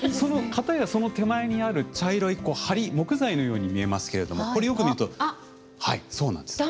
かたやその手前にある茶色い梁木材のように見えますけれどもこれよく見るとはいそうなんです。